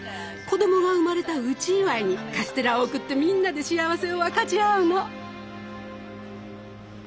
子供が生まれた内祝いにカステラを贈ってみんなで幸せを分かち合うの。